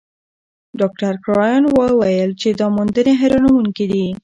ډاکټر کرایان وویل چې دا موندنې حیرانوونکې دي.